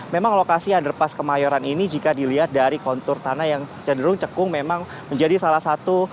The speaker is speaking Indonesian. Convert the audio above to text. memang lokasi underpass kemayoran ini jika dilihat dari kontur tanah yang cenderung cekung memang menjadi salah satu